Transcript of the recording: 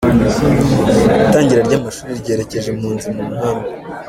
Itangira ry’amashuri ryerekeje impunzi mu nkambi